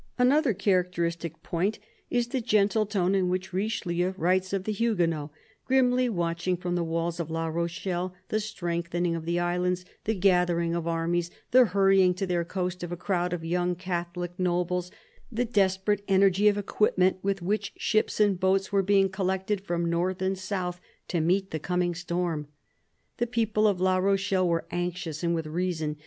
Another characteristic point is the gentle tone in which Richelieu writes of the Huguenots, grimly watching from the walls of La Rochelle the strengthening of the islands, the gathering of armies, the hurrying to their coast of a crowd of young Catholic nobles, the desperate energy of equipment with which ships and boats were being collected from north and south to meet the coming storm. The people of La Rochelle were anxious, and with reason.